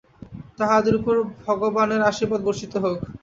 তাঁহাদের উপর ভগবানের আশীর্বাদ বর্ষিত হউক।